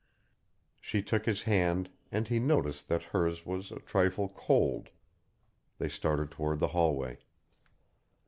She took his hand, and he noticed that hers was a trifle cold. They started toward the hallway.